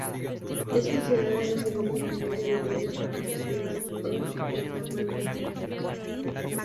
Es considerada la segunda familia del orden Hymenoptera en tamaño.